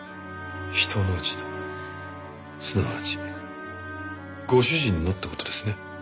人の落ち度すなわちご主人のって事ですね？